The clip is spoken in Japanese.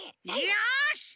よし！